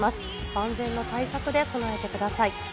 万全の対策で備えてください。